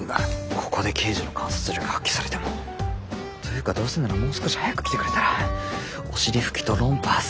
ここで刑事の観察力を発揮されても。というかどうせならもう少し早く来てくれたらお尻拭きとロンパース。